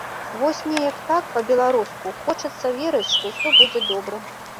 Вось неяк так, па-беларуску, хочацца верыць, што ўсё будзе добра.